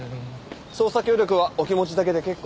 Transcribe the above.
捜査協力はお気持ちだけで結構です。